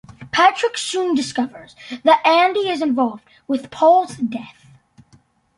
Patrick soon discovers that Andy is involved with Paul's death.